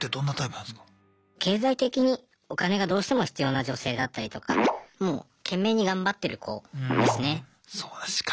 経済的にお金がどうしても必要な女性だったりとかもう懸命に頑張ってる子ですね。